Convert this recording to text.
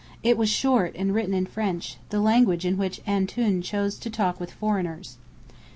It was short and written in French, the language in which "Antoun" chose to talk with foreigners.